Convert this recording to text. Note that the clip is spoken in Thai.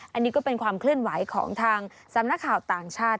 อันนี้ก็เป็นความเคลื่อนไหวของทางสำนักข่าวต่างชาติ